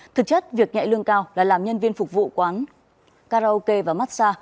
thực chất việc nhẹ lương cao là làm nhân viên phục vụ quán karaoke và mát xa